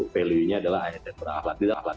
value nya adalah isn berakhlak